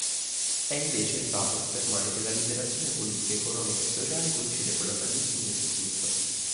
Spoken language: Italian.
È, invece, errato affermare che la liberazione politica, economica e sociale coincide con la salvezza in Gesù Cristo